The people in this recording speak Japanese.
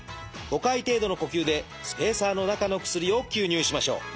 ５回程度の呼吸でスペーサーの中の薬を吸入しましょう。